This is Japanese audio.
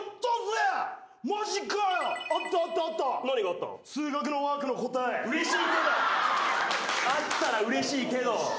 あったらうれしいけど。